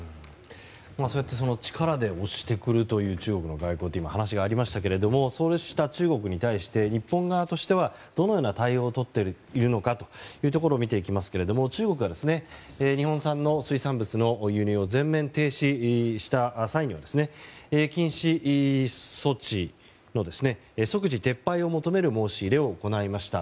そうやって力で押す中国の外交というお話ですがそうした中国に対して日本側としてはどのような対応をとっているのかを見ていきますが中国は日本産の水産物の輸入を全面停止した際に禁止措置の即時撤廃を求める申し入れを行いました。